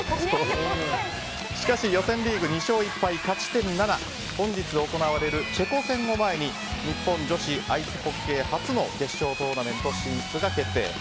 しかし予選リーグ２勝１敗、勝ち点７で本日行われるチェコ戦を前に日本女子アイスホッケー初の決勝トーナメント進出が決定。